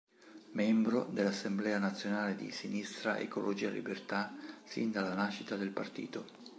Membro dell'Assemblea nazionale di Sinistra Ecologia Libertà sin dalla nascita del partito.